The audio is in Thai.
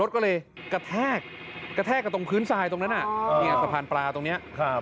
กระแทกกับตรงพื้นทรายตรงนั้นสะพานปลาตรงนี้